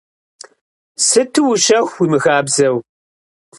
Сыту ущэху, уимыхабзэу.